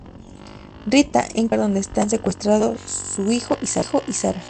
Rita, encuentra el lugar donde están secuestrados su hijo y Sara.